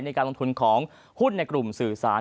ในการลงทุนของหุ้นในกลุ่มสื่อสาร